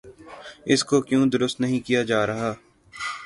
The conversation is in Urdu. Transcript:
اس کو کیوں درست نہیں کیا جا رہا؟